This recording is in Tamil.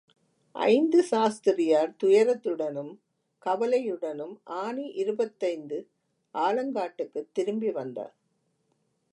ஐந்து சாஸ்திரியார் துயரத்துடனும், கவலையுடனும் ஆனி இருபத்தைந்து ஆலங்காட்டுக்குத் திரும்பி வந்தார்.